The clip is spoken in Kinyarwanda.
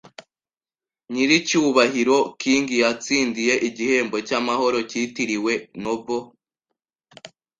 nyiricyubahiro King yatsindiye igihembo cyamahoro cyitiriwe Nobel.